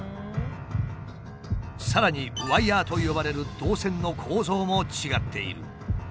さらにワイヤーと呼ばれる導線の構造も違っている。